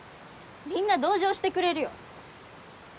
みんな同情してくれるよ。